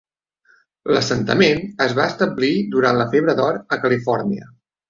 L'assentament es va establir durant la febre d'or a Califòrnia.